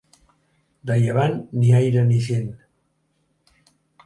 De llevant, ni aire ni gent.